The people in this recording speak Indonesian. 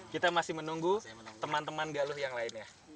kita masih menunggu teman teman galuh yang lainnya